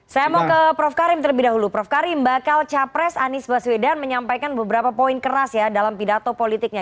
saya mau ke prof karim terlebih dahulu prof karim bakal capres anies baswedan menyampaikan beberapa poin keras ya dalam pidato politiknya